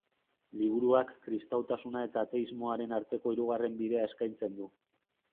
Liburuak kristautasuna eta ateismoaren arteko hirugarren bidea eskaintzen du.